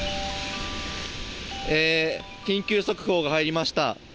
緊急速報が入りました。